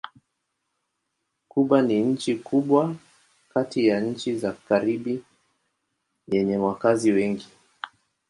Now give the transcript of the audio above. Kuba ni nchi kubwa kati ya nchi za Karibi yenye wakazi wengi.